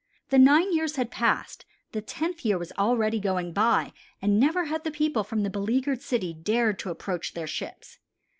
The nine years had passed, the tenth year was already going by and never had the people from the beleaguered city dared to approach their ships.